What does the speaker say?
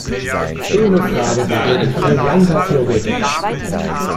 Ohne Frage war er ein brillanter Theoretiker.